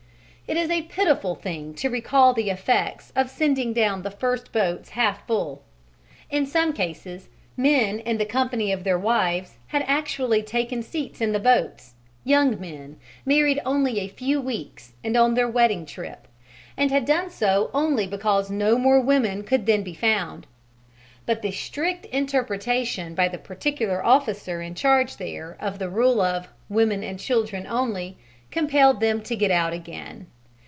It is a pitiful thing to recall the effects of sending down the first boats half full. In some cases men in the company of their wives had actually taken seats in the boats young men, married only a few weeks and on their wedding trip and had done so only because no more women could then be found; but the strict interpretation by the particular officer in charge there of the rule of "Women and children only," compelled them to get out again.